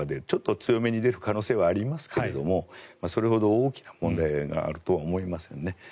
ちょっと強めに出る可能性はありますけどもそれほど大きな問題があるとは思いませんね。